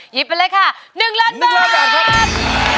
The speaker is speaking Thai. ยิบไปเลยค่ะ๑ล้านบาท